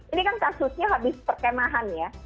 ini kan kasusnya habis perkemahan ya